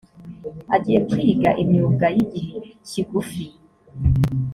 agiye kwiga imyuga y’ igihe kigufi